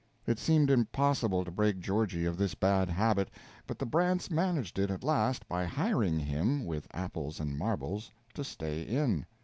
It seemed impossible to break Georgie of this bad habit, but the Brants managed it at last by hiring him, with apples and marbles, to stay in.